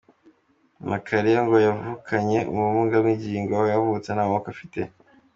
Macharia ngo yavukanye ubumuga bw’ingingo aho yavutse nta maboko afite.